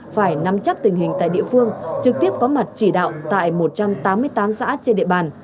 phải nắm chắc tình hình tại địa phương trực tiếp có mặt chỉ đạo tại một trăm tám mươi tám xã trên địa bàn